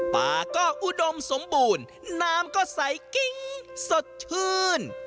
ป่าก็อุดมสมบูรณ์น้ำก็ใสกิ้งสดชื่น